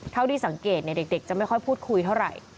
เท่าที่สังเกตเด็กจะไม่ค่อยพูดคุยเท่าไหร่